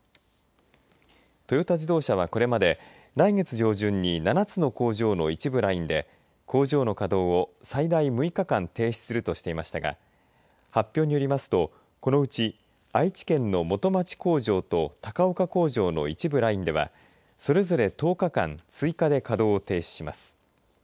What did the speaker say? トヨタ自動車は、これまで来月上旬に７つの工場の一部ラインで工場の稼働を最大６日間停止するとしていましたが発表によりますとこのうち愛知県の元町工場と高岡工場の一部ラインではそれぞれ１０日間追加で稼働を停止します。